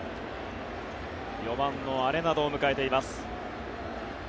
４番のアレナドを迎えています。